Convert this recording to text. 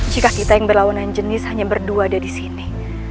jika kita yang berlawanan jenis hanya berdua ada di sini